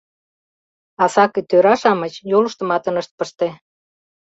— А сакый тӧра-шамыч йолыштымат ынышт пыште!